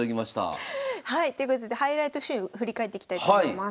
はいということでハイライトシーン振り返っていきたいと思います。